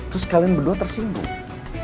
terus kalian berdua tersinggung